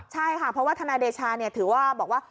ใช่ค่ะเพราะว่าทนายเดชาถือว่าบอกว่า